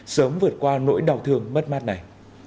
sớm vượt qua nỗi đau thương mất mát này